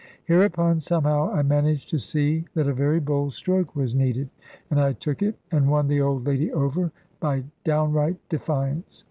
Hereupon, somehow, I managed to see that a very bold stroke was needed. And I took it, and won the old lady over, by downright defiance.